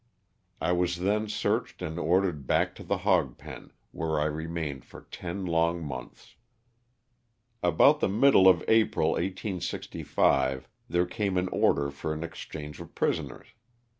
I was then searched and ordered back to the hog pen, where I remained for ten long months. About the middle of April, 1865, there came an order for an exchange of prisoners.